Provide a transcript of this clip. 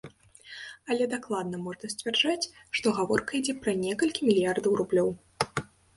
Але дакладна можна сцвярджаць, што гаворка ідзе пра некалькі мільярдаў рублёў.